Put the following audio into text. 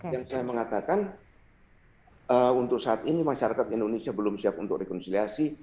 dan saya mengatakan untuk saat ini masyarakat indonesia belum siap untuk rekonsiliasi